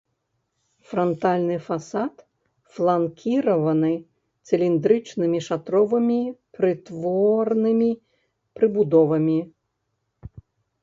Франтальны фасад фланкіраваны цыліндрычнымі шатровымі прытворнымі прыбудовамі.